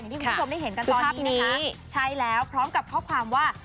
ที่คุณผู้ชมได้เห็นกันตอนนี้นะคะใช่แล้วพร้อมกับข้อความว่า